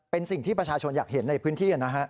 เป็นสิ่งที่ประชาชนอยากเห็นในพื้นที่นะฮะ